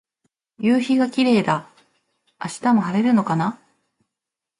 夕陽がキレイだ。明日も晴れるのかな。